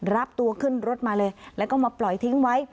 รับตัวขึ้นรถมาเลยแล้วก็มาปล่อยทิ้งไว้